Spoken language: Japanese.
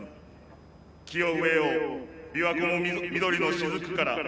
「木を植えようびわ湖も緑のしずくから」。